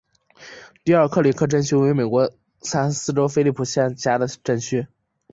迪尔克里克镇区为美国堪萨斯州菲利普斯县辖下的镇区。